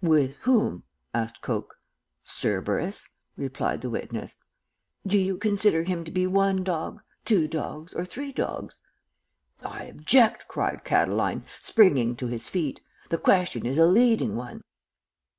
"'With whom?' asked Coke. "'Cerberus,' replied the witness. "'Do you consider him to be one dog, two dogs or three dogs?' "'I object!' cried Catiline, springing to his feet. 'The question is a leading one.'